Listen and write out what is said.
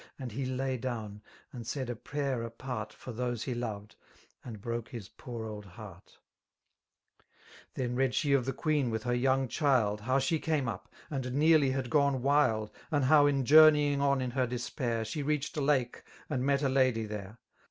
And he lay down, and said a pray^ apart For those he loyed, and broke his poor (Ad faesart* Then read she of the queen with her young child. How she came up, and nearly had gone wild. And how in journeying on in her d^pair. She reached a lake and met a lady there.